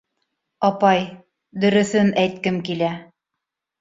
— Апай, дөрөҫөн әйткем килә.